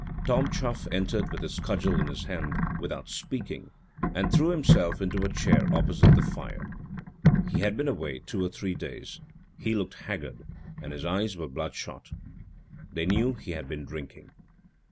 Tom Chuff entered with his cudgel in his hand, without speaking, and threw himself into a chair opposite the fire. He had been away two or three days. He looked haggard, and his eyes were bloodshot. They knew he had been drinking.